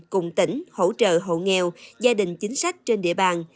cùng tỉnh hỗ trợ hộ nghèo gia đình chính sách trên địa bàn